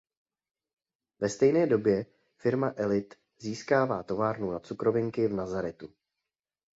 Ve stejné době firma Elite získává továrnu na cukrovinky v Nazaretu.